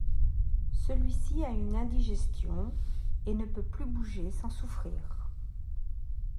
Celui-ci a une indigestion et ne peut plus bouger sans souffrir.